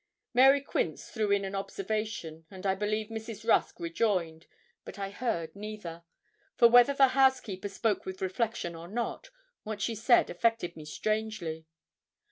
Mary Quince threw in an observation, and I believe Mrs. Rusk rejoined, but I heard neither. For whether the housekeeper spoke with reflection or not, what she said affected me strangely.